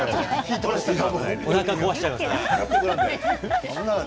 おなか壊しちゃいますから。